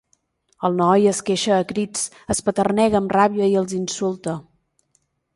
El noi es queixa a crits, espeternega amb ràbia i els insulta.